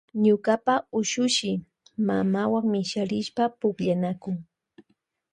Ñuka ushushi mamawan misharishpa pukllanakun.